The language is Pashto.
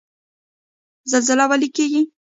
زلزله ولې کیږي؟